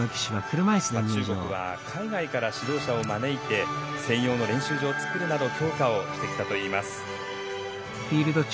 中国は海外から指導者を招いて専用の練習場を作るなど強化をしてきたといいます。